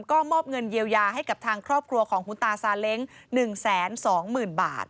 ก็มอบเงินเยียวยาให้กับทางครอบครัวของคุณตาซาเล้ง๑๒๐๐๐บาท